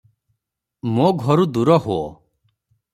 ମୋ ଘରୁ ଦୂର ହୋ!